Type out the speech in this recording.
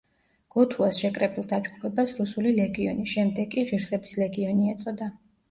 გოთუას შეკრებილ დაჯგუფებას „რუსული ლეგიონი“, შემდეგ კი „ღირსების ლეგიონი“ ეწოდა.